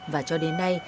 và cho đến nay